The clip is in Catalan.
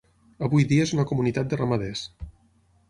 Avui dia és una comunitat de ramaders.